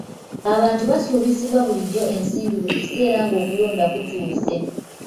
Abantu basuubizibwa bulijjo ensimbi buli kiseera ng'okulonda kutuuse.